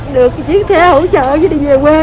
được chiếc xe hỗ trợ chứ đi về quê